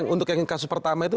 untuk yang kasus pertama itu